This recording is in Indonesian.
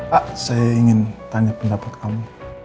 pak saya ingin tanya pendapat kamu